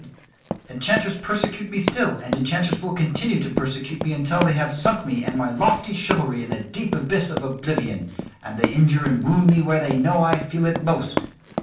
Enchanters have persecuted me, enchanters persecute me still, and enchanters will continue to persecute me until they have sunk me and my lofty chivalry in the deep abyss of oblivion; and they injure and wound me where they know I feel it most.